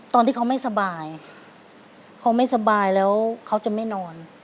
ตอนที่เขาไม่สบายเขาไม่สบายแล้วเขาจะไม่นอน